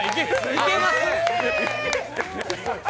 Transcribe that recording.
いけます？